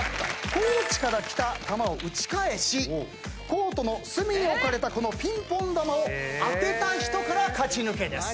コーチから来た球を打ち返しコートの隅に置かれたこのピンポン球を当てた人から勝ち抜けです。